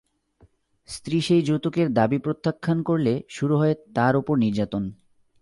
স্ত্রী সেই যৌতুকের দাবি প্রত্যাখ্যান করলে শুরু হয় তাঁর ওপর নির্যাতন।